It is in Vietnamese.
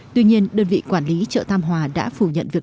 tuy nhiên đơn vị quản lý chợ tam hòa đều không biết